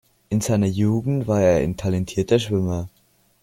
In seiner Jugend war er ein talentierter Schwimmer.